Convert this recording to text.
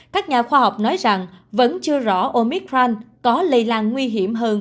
các nhà khoa học nói rằng vẫn chưa rõ omicron có lây lan nguy hiểm hơn